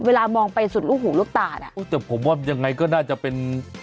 เวลามองไปสุดลูกหูลูกตาน่ะโอ้แต่ผมว่ายังไงก็น่าจะเป็น